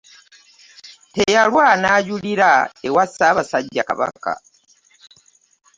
Teyalwa n'ajulira ewa Ssaabasajja Kabaka